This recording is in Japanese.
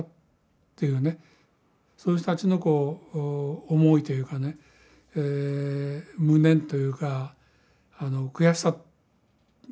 その人たちのこう思いというかね無念というか悔しさだと思うんですけどね